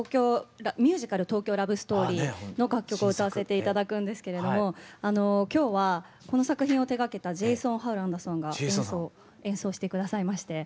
ミュージカル「東京ラブストーリー」の楽曲を歌わせて頂くんですけれども今日はこの作品を手がけたジェイソン・ハウランドさんが演奏して下さいまして。